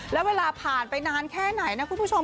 แล้วเวลาผ่านไปนานแค่ไหนนะคุณผู้ชม